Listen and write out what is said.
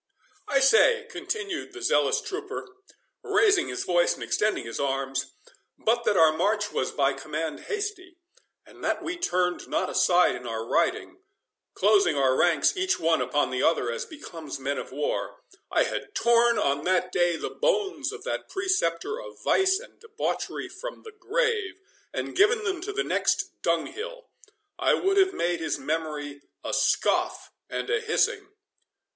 "I say," continued the zealous trooper, raising his voice and extending his arm—"but that our march was by command hasty, and that we turned not aside in our riding, closing our ranks each one upon the other as becomes men of war, I had torn on that day the bones of that preceptor of vice and debauchery from the grave, and given them to the next dunghill. I would have made his memory a scoff and a hissing!"